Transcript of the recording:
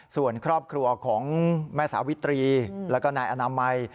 ส่วนครอบครัวของแม่สาวิตรีแล้วก็นายอนามัย